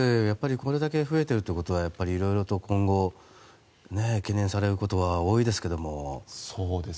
これだけ増えているということは色々と今後懸念されることは多いですが。